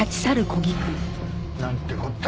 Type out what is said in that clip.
なんてこった。